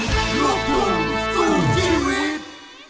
ขอบคุณครับ